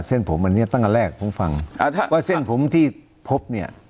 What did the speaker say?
เส้นผมอันเนี้ยตั้งแต่แรกผมฟังอ่าถ้าว่าเส้นผมที่พบเนี่ย